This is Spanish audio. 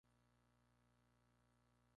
Todos estos son ríos de marea.